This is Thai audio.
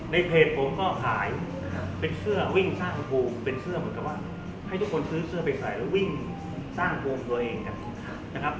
ในเพจผมก็ขายเป็นเสื้อวิ่งสร้างภูมิเป็นเสื้อเหมือนกับว่าให้ทุกคนซื้อเสื้อไปใส่แล้ววิ่งสร้างภูมิตัวเองกันนะครับ